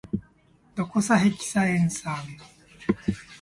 ドコサヘキサエン酸